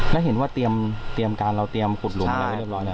แล้วเห็นว่าเตรียมการเราเตรียมขุดหลุมอะไรไว้เรียบร้อยแล้ว